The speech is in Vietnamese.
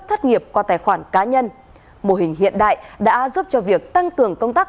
thất nghiệp qua tài khoản cá nhân mô hình hiện đại đã giúp cho việc tăng cường công tác